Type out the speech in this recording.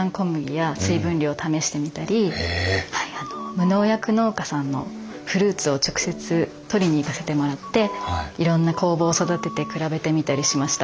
無農薬農家さんのフルーツを直接取りに行かせてもらっていろんな酵母を育てて比べてみたりしました。